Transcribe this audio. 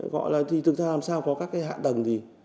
gọi là thì thực ra làm sao có các cái hạ tầng gì